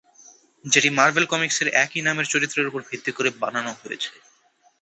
যেটি মার্ভেল কমিক্সের একই নামের চরিত্রের উপর ভিত্তি করে বানানো হয়েছে।